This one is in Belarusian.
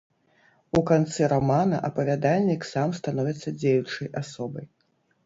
У канцы рамана апавядальнік сам становіцца дзеючай асобай.